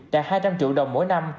đạt hai trăm linh triệu đồng mỗi năm